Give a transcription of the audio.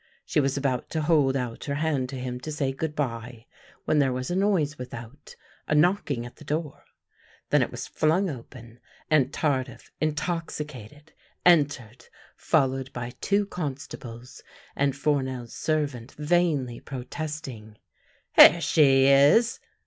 She was about to hold out her hand to him to say good bye, when there was a noise without, a knocking at the door, then it was flung open, and Tar dif, intoxicated, entered, followed by two constables, and Fournel's servant vainly protesting. " Here she is!